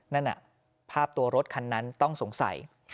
นั่นภาพตัวรถคันนั้นต้องสงสัย